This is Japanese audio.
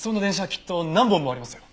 きっと何本もありますよ。